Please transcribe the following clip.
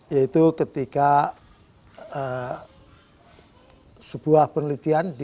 yaitu ketika sebuah penelitian